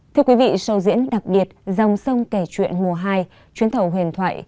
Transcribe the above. thưa quý vị sâu diễn đặc biệt dòng sông kể chuyện mùa hai chuyến thầu huyền thoại